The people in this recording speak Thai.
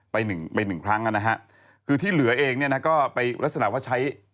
ไปหนึ่งนแล้วนะฮะคือที่เหลือเองก็ไปลักษณะว่าใช้